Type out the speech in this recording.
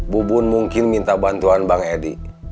bubun mungkin minta bantuan bang edi